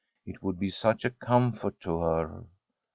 It would be such a com fort to her.